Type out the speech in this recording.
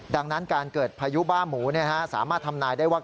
ดังนั้นการเกิดพายุบ้าหมูสามารถทำนายได้ว่า